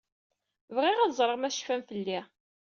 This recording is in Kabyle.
Bɣiɣ ad ẓreɣ ma tecfam fell-i.